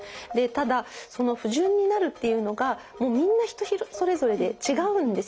ただその不順になるっていうのがもうみんな人それぞれで違うんですよね。